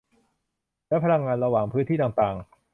และพลังงานระหว่างพื้นที่ต่างต่าง